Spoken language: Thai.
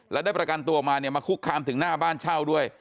และได้ประกันตัวมาเนี่ยมาคุกคามถึงหน้าบ้านเช่าด้วย